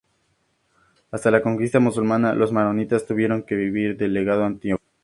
Hasta la conquista musulmana, los maronitas vivieron del legado antioqueño.